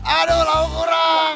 aduuh lau kurang